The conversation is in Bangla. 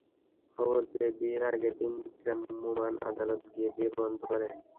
খবর পেয়ে বিয়ের আগের দিন ভ্রাম্যমাণ আদালত গিয়ে বিয়ে বন্ধ করেন।